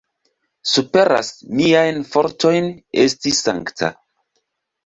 Superas miajn fortojn esti sankta.